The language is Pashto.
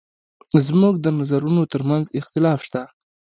زموږ د نظرونو تر منځ اختلاف شته.